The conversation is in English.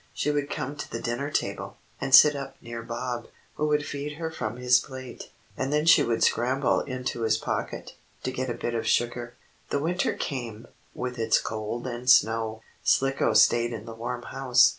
She would come to the dinner table, and sit up near Bob, who would feed her from his plate. And then she would scramble into his pocket, to get a bit of sugar. The winter came, with its cold and snow. Slicko stayed in the warm house.